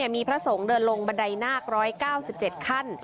มีพระสงฆ์เดินลงบันไดนาค๑๙๗ขั้น